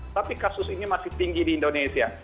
tapi kasus ini masih tinggi di indonesia